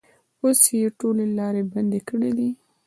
اوس یې ټولې لارې بندې کړې دي.